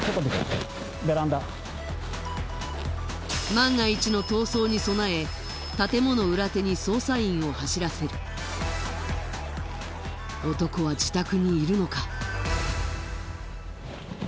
万が一の逃走に備え建物裏手に捜査員を走らせる男は自宅にいるのか？